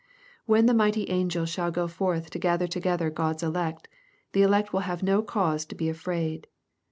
When the mighty angels shall go forth to gather to^ gether God's elect, the elect will have no cause to be afraid.